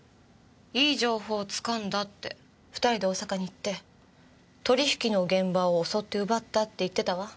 いい情報をつかんだって２人で大阪に行って取引の現場を襲って奪ったって言ってたわ。